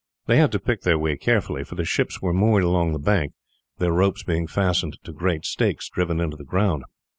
They had to pick their way carefully, for the ships were moored along the bank, their ropes being fastened to great stakes driven into the ground.